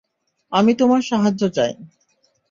আমি তোমার সাহায্য চাই।